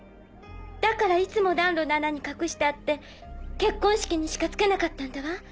だからいつも暖炉の穴に隠してあって結婚式にしかつけなかったんだわ。